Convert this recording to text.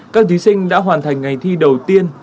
các thí sinh đã hoàn thành ngày thi đầu tiên